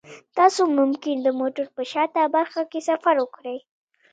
تاسو ممکن د موټر په شاته برخه کې سفر وکړئ